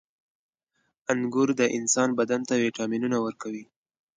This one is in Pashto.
• انګور د انسان بدن ته ویټامینونه ورکوي.